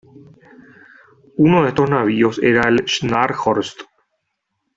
Uno de estos navíos, era el "Scharnhorst".